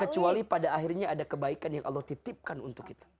kecuali pada akhirnya ada kebaikan yang allah titipkan untuk kita